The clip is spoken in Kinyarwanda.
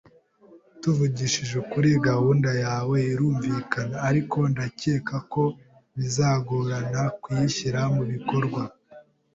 Tuvugishije ukuri, gahunda yawe irumvikana, ariko ndacyeka ko bizagorana kuyishyira mubikorwa.